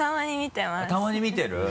たまに見てます。